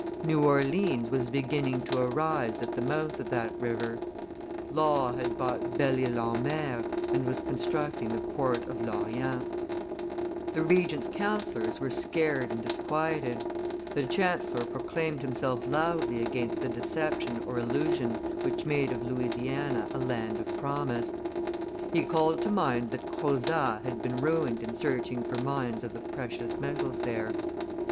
New Orleans was beginning to arise at the mouth of that river. Law had bought Belle Isle en Mer and was constructing the port of Lorient. The Regent's councillors were scared and disquieted; the chancellor proclaimed himself loudly against the deception or illusion which made of Louisiana a land of promise; he called to mind that Crozat had been ruined in searching for mines of the precious metals there.